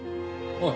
おい！